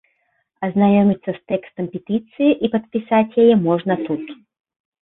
Азнаёміцца з тэкстам петыцыі і падпісаць яе можна тут.